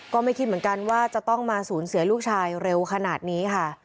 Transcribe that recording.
ก็ไม่คิดเหมือนกันว่าจะต้องมาสูญเสียลูกชายเร็วขนาดนี้ค่ะ